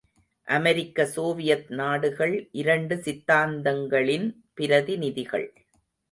அமெரிக்க Soviet நாடுகள் இரண்டு சித்தாந்தங்களின் பிரதிநிதிகள்.